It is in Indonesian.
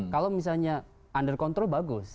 kalau misalnya under control bagus